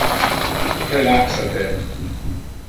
Relaxa te.